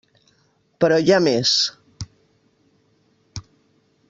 Però hi ha més.